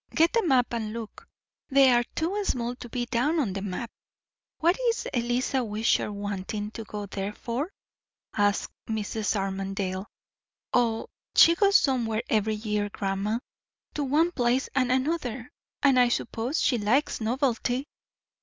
"Get the map and look." "They are too small to be down on the map." "What is Eliza Wishart wantin' to go there for?" asked Mrs. Armadale. "O, she goes somewhere every year, grandma; to one place and another; and I suppose she likes novelty."